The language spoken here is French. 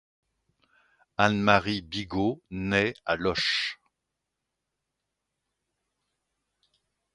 Anne-Marie Bigot naît à Loches.